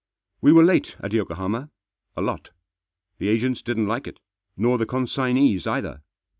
We were late at Yokohama. A lot. The agents didn't like it, nor the consignees either.